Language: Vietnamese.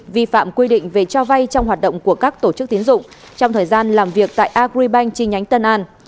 vi phạm quy định về cho vay trong hoạt động của các tổ chức tiến dụng trong thời gian làm việc tại agribank chi nhánh tân an